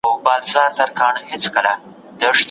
خاوند د نوبت د تغير صلاحيت لري که نه؟